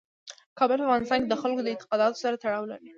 کابل په افغانستان کې د خلکو د اعتقاداتو سره تړاو لري.